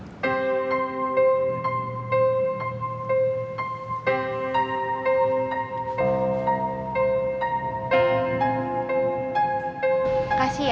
masih ke kamarnya